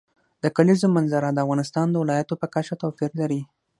د کلیزو منظره د افغانستان د ولایاتو په کچه توپیر لري.